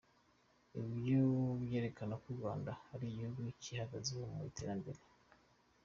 Ibyo byerekana ko U Rwanda ari igihugu cyihagazeho mu iterambere ».